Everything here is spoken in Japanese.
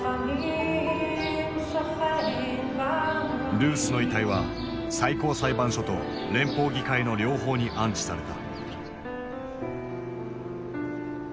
ルースの遺体は最高裁判所と連邦議会の両方に安置された。